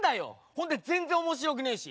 ほんで全然面白くねえし。